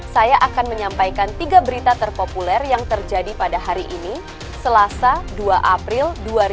saya akan menyampaikan tiga berita terpopuler yang terjadi pada hari ini selasa dua april dua ribu dua puluh